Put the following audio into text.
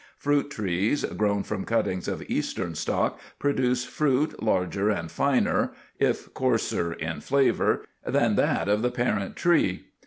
Fruit trees, grown from cuttings of Eastern stock, produce fruit larger and finer, if coarser in flavor, than that of the parent tree.